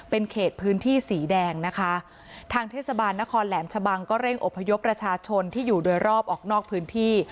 เป็นเขตพื้นที่สีแดงนะคะทางเทศบาลนครแหลมชะบังก็เร่งอบพยพประชาชนที่อยู่โดยรอบออกนอกพื้นที่